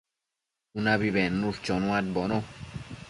cunabi bednush chonuadbono